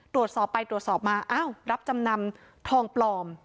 ตรวจสอบไปตรวจสอบมาอ้าวรับจำนำทองปลอม